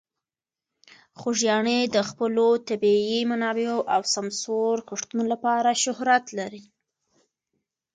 خوږیاڼي د خپلو طبیعي منابعو او سمسور کښتونو لپاره شهرت لري.